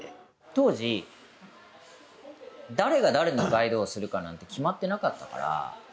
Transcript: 当時、誰が誰のガイドをするかなんて決まってなかったから。